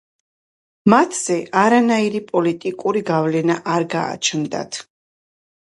მათზე არანაირი პოლიტიკური გავლენა არ გააჩნდათ.